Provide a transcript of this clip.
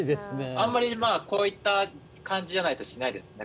あんまりこういった感じじゃないとしないですね